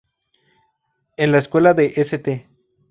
En la escuela de St.